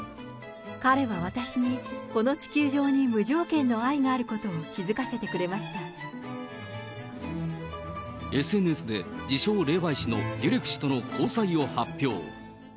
彼は私にこの地球上に無条件の愛があることを気付かせてくれＳＮＳで自称霊媒師のデュレク氏との交際を発表。